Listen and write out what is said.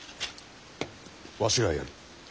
わしがやる。